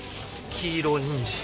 黄色にんじん。